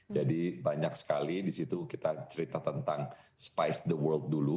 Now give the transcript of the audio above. jadi banyak sekali di situ kita cerita tentang spice the world dulu